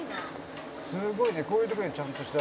「すごいねこういう時にちゃんとした」